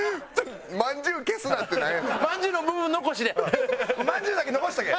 「“まんじゅう”消すな」ってなんやねん？